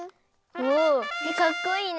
おおかっこいいね！